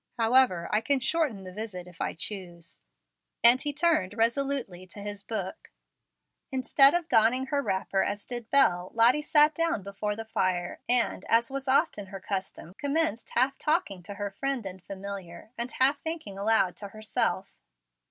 However, I can shorten the visit if I choose;" and he turned resolutely to his book. Instead of donning her wrapper, as did Bel, Lottie sat down before the fire, and, as was often her custom, commenced half talking to her friend and familiar, and half thinking aloud to herself.